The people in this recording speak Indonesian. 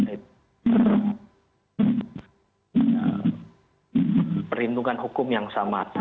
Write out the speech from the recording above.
itu perlindungan hukum yang sama